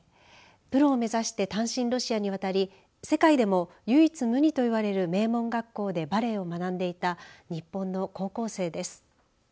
プロを目指して単身ロシアに渡り世界でも唯一無二といわれる名門学校でバレエを学んでいた日本の高校生です。